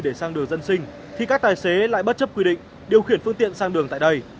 để sang đường dân sinh thì các tài xế lại bất chấp quy định điều khiển phương tiện sang đường tại đây